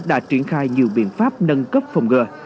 đã triển khai nhiều biện pháp nâng cấp phòng ngừa